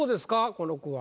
この句は。